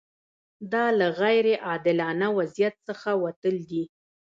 دا له غیر عادلانه وضعیت څخه وتل دي.